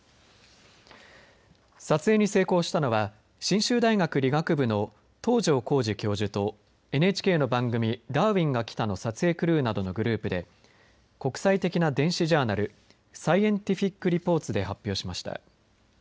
撮影に成功したのは信州大学理学部の東城幸治教授とＮＨＫの番組ダーウィンが来た！の撮影クルーなどのグループで国際的な電子ジャーナルサイエンティフィック・リポーツで発表しました。